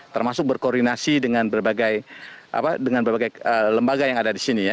termasuk berkoordinasi dengan berbagai lembaga yang ada di sini ya